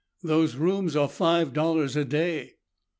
"Those rooms are five dollars a day."